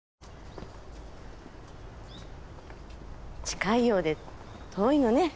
近いようで遠いのね。